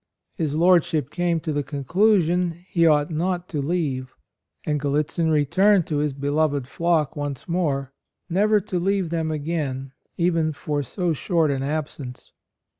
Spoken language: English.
His Lordship came to the conclusion he ought not to leave ; and Gallitzin returned to his beloved flock once more, never to leave them again even for so short an absence.